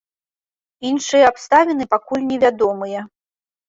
Іншыя абставіны пакуль невядомыя.